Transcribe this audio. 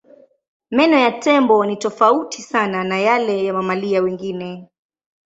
Meno ya tembo ni tofauti sana na yale ya mamalia wengine.